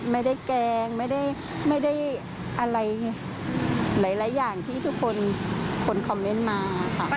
ไม่ได้แกงไม่ได้อะไรหลายอย่างที่ทุกคนคอมเมนต์มา